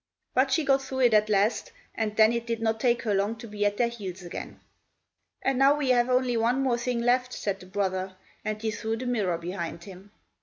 But she got through it at last, and then it did not take her long to be at their heels again. "And now we have only one more thing left," said the brother, and he threw the mirror behind him.